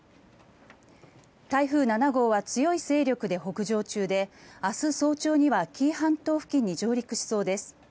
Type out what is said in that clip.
台風７号は強い勢力で北上中で明日早朝には紀伊半島付近に上陸しそうです。